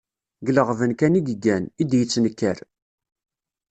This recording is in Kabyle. Deg leɣben kan i yeggan, i d-yettenkar.